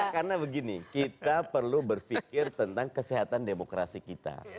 karena begini kita perlu berfikir tentang kesehatan demokrasi kita